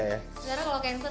dalam segi karir